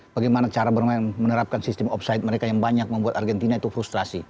bagaimana cara bermain menerapkan sistem offside mereka yang banyak membuat argentina itu frustrasi